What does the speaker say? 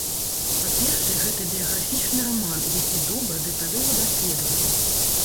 Па-першае, гэта біяграфічны раман, які добра, дэталёва даследаваны.